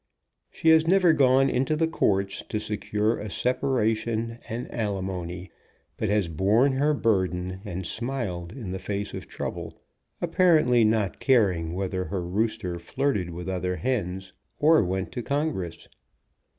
She has never gone into the courts to se cure a separation and alimony, but has borne her burden and smiled in the face of trouble, apparently THE HEN IN POLITICS 91 not caring whether her rooster flirted with other hens, or went to Congress.